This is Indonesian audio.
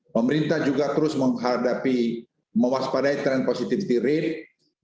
pemerintah juga terus menghadapi mewaspadai trend positivity rate